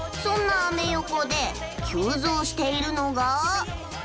そんなアメ横で急増しているのが。